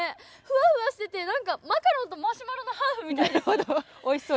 ふわふわしててなんかマカロンとマシュマロのハーフみたいです。